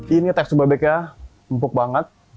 ini tekstur bebeknya empuk banget